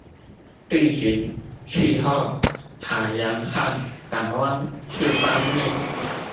地形、氣候、海洋和港灣四方面